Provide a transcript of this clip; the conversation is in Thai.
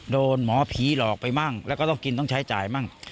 หมอผีหลอกไปมั่งแล้วก็ต้องกินต้องใช้จ่ายมั่ง